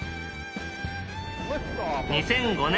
２００５年